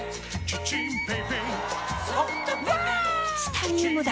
チタニウムだ！